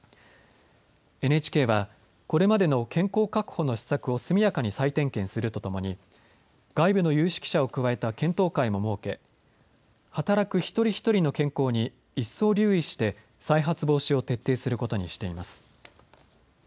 ＮＨＫはこれまでの健康確保の施策を速やかに再点検するとともに外部の有識者を加えた検討会も設け働く一人一人の健康に一層留意して再発防止を徹底することにしています。